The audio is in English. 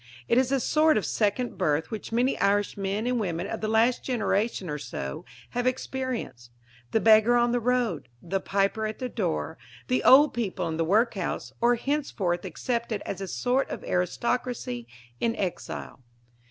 It is a sort of second birth which many Irish men and women of the last generation or so have experienced. The beggar on the road, the piper at the door, the old people in the workhouse, are henceforth accepted as a sort of aristocracy in exile.